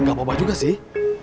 gak apa apa juga sih